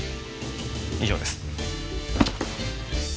以上です。